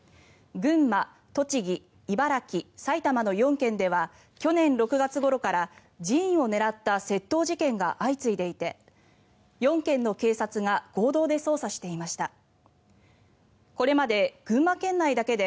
群馬、栃木、茨城、埼玉の４県では去年６月ごろから寺院を狙った窃盗事件が相次いでいて、４県の警察が合同で捜査していました。